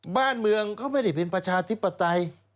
บ้านเมืองเขาไม่ได้เป็นประชาธิปไตย